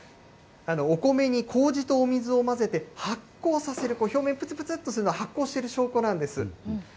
お米にこうじとお水を混ぜて、発酵させる、表面、ぷつぷつっとするのは、発酵している証拠なんです。